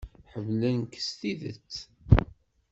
Ḥemmlen-k s tidet.